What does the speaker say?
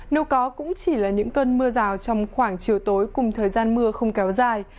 nếu có cũng chỉ là những cơn mưa rào trong khoảng chiều tối cùng thời gian mưa không kéo dài